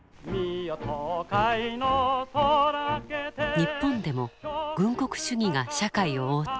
日本でも軍国主義が社会を覆っていた。